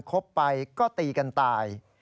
บไปก็ตีกันตาย